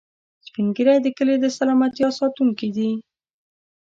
سپین ږیری د کلي د سلامتیا ساتونکي دي